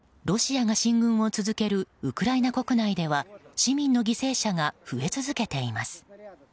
ロシアが進軍を続けるウクライナ国内では市民の犠牲者が増え続けています。